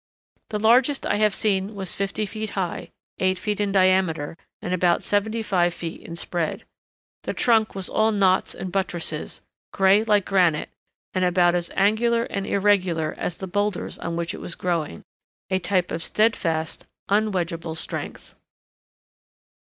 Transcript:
The largest I have seen was fifty feet high, eight feet in diameter, and about seventy five feet in spread. The trunk was all knots and buttresses, gray like granite, and about as angular and irregular as the boulders on which it was growing—a type of steadfast, unwedgeable strength.